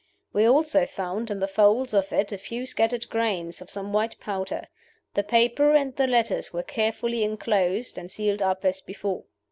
We also found in the folds of it a few scattered grains of some white powder. The paper and the letters were carefully inclosed, and sealed up as before.